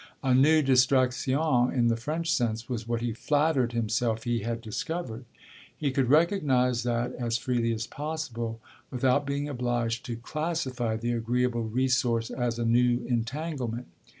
A new "distraction," in the French sense, was what he flattered himself he had discovered; he could recognise that as freely as possible without being obliged to classify the agreeable resource as a new entanglement.